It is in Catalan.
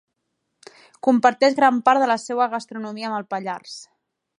Comparteix gran part de la seua gastronomia amb el Pallars.